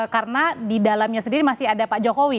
karena di dalamnya sendiri masih ada pak jokowi